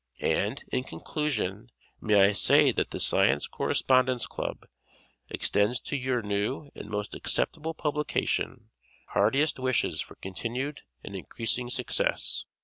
And, in conclusion, may I say that the Science Correspondence Club extends to your new and most acceptable publication heartiest wishes for continued and increasing success.